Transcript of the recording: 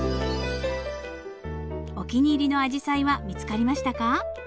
お気に入りのアジサイは見つかりましたか？